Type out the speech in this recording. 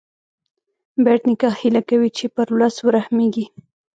بېټ نیکه هیله کوي چې پر ولس ورحمېږې.